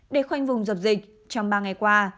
để khoanh vùng dập dịch trong ba ngày qua